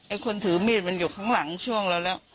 คนถือมีดมันอยู่ข้างหลังช่วงเราแล้ว